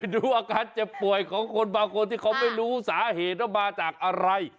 ดูอาการเจ็บป่วยของคนบางคนที่เขาไม่รู้สาเหตุว่ามาจากอะไร